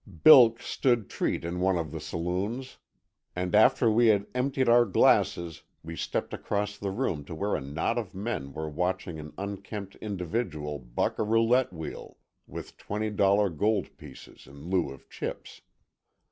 Bilk stood treat in one of the saloons, and after we had emptied our glasses we stepped across the room to where a knot of men were watching an unkempt individual buck a roulette wheel with twenty dollar gold pieces in lieu of chips.